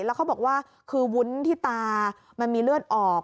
แล้วเขาบอกว่าคือวุ้นที่ตามันมีเลือดออก